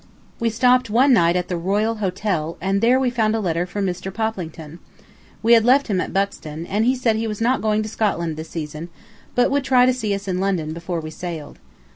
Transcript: We stopped one night at the Royal Hotel, and there we found a letter from Mr. Poplington. We had left him at Buxton, and he said he was not going to Scotland this season, but would try to see us in London before we sailed.